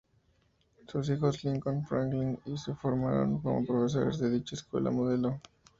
Sus hijos Lincoln y Franklin se formaron como profesores en dicha Escuela Modelo.